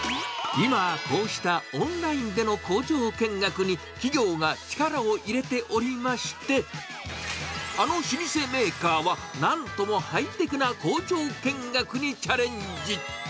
今、こうしたオンラインでの工場見学に、企業が力を入れておりまして、あの老舗メーカーは、なんともハイテクな工場見学にチャレンジ。